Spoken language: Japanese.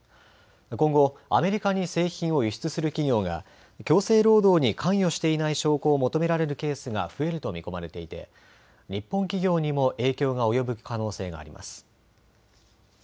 今後、アメリカに製品を輸出する企業が強制労働に関与していない証拠を求められるケースが増えると見込まれていて日本企業にも影響が及ぶ可能性があります。